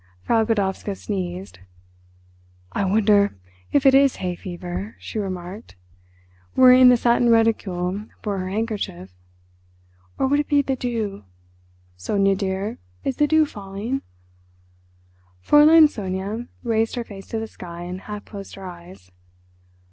Frau Godowska sneezed. "I wonder if it is hay fever," she remarked, worrying the satin reticule for her handkerchief, "or would it be the dew. Sonia, dear, is the dew falling?" Fräulein Sonia raised her face to the sky, and half closed her eyes.